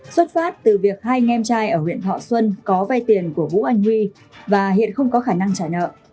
xuất phát từ việc hai em trai ở huyện thọ xuân có vay tiền của vũ anh huy và hiện không có khả năng trả nợ